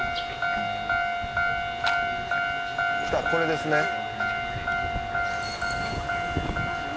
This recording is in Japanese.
来たこれですね。